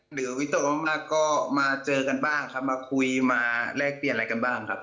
หรือวิทยาลัยก็มาเจอกันบ้างมาคุยมาแลกเปลี่ยนอะไรกันบ้างครับ